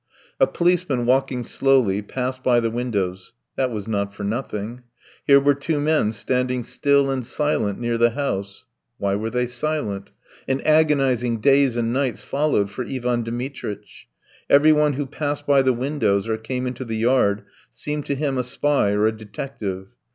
A policeman walking slowly passed by the windows: that was not for nothing. Here were two men standing still and silent near the house. Why were they silent? And agonizing days and nights followed for Ivan Dmitritch. Everyone who passed by the windows or came into the yard seemed to him a spy or a detective.